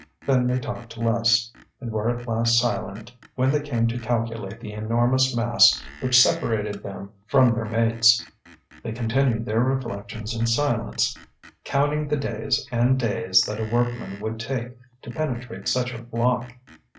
Then they talked less, and were at last silent when they came to calculate the enormous mass which separated them from their mates. They continued their reflections in silence, counting the days and days that a workman would take to penetrate such a block.